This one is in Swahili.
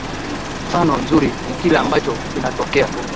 mfano mzuri ni kile ambacho kinatokea